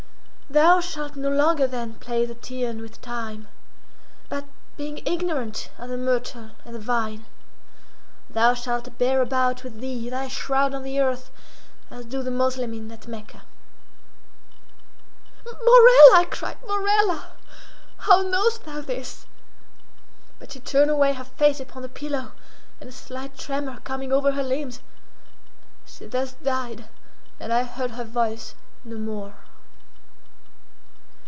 Thou shalt no longer, then, play the Teian with time, but, being ignorant of the myrtle and the vine, thou shalt bear about with thee thy shroud on the earth, as do the Moslemin at Mecca." "Morella!" I cried, "Morella! how knowest thou this?" but she turned away her face upon the pillow and a slight tremor coming over her limbs, she thus died, and I heard her voice no more.